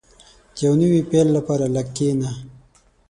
• د یو نوي پیل لپاره لږ کښېنه.